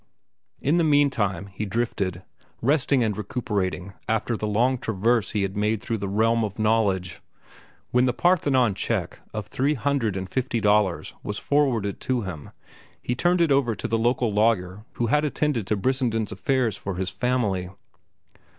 In the meantime he drifted, resting and recuperating after the long traverse he had made through the realm of knowledge. When The Parthenon check of three hundred and fifty dollars was forwarded to him, he turned it over to the local lawyer who had attended to Brissenden's affairs for his family.